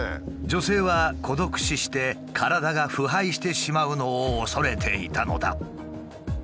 女性は孤独死して体が腐敗してしまうのを恐れていたのだ。